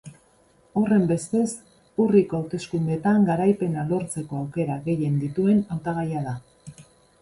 Horrenbestez, urriko hauteskundeetan garaipena lortzeko aukera gehien dituen hautagaia da.